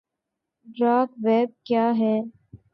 dark web کیا ہے